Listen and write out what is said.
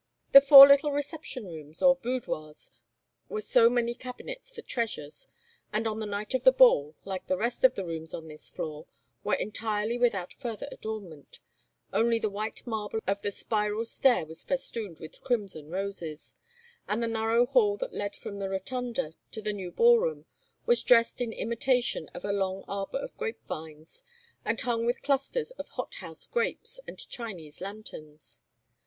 The four little reception rooms, or boudoirs, were so many cabinets for treasures, and on the night of the ball, like the rest of the rooms on this floor, were entirely without further adornment; only the white marble of the spiral stair was festooned with crimson roses; and the narrow hall that led from the rotunda to the new ballroom was dressed in imitation of a long arbor of grape vines, and hung with clusters of hot house grapes and Chinese lanterns.